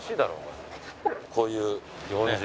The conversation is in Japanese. こういうね。